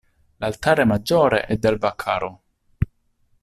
L'altare maggiore è del Vaccaro.